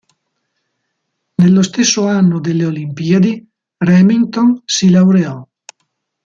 Nello stesso anno delle Olimpiadi, Remington si laureò.